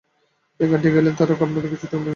এই গানটি গাইলে তাঁর রাগ আপনাতেই কিছুটা নেমে যায়।